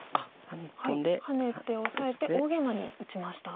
ハネてオサえて大ゲイマに打ちました。